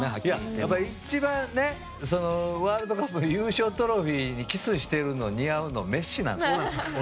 やっぱり、一番ワールドカップ優勝トロフィーにキスしているの似合うのメッシなんです。